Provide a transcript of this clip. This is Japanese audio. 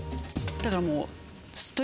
だからもう。